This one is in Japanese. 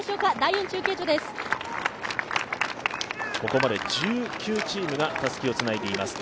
ここまで１９チームがたすきをつないでいます。